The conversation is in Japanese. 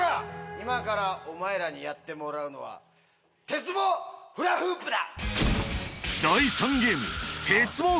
今からやってもらうのは鉄棒フラフープだ！